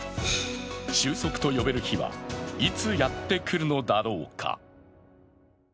終息と呼べる日はいつやってくるのだろうか。